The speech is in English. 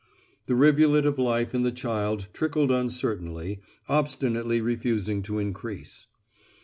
The rivulet of life in the child trickled uncertainly, obstinately refusing to increase.